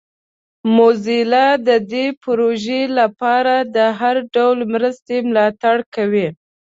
موزیلا د دې پروژې لپاره د هر ډول مرستې ملاتړ کوي.